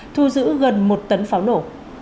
thu giữ gần một tấn pháo nổ